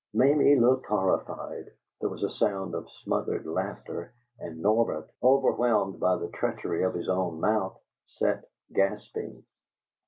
Mamie looked horrified; there was a sound of smothered laughter, and Norbert, overwhelmed by the treachery of his own mouth, sat gasping.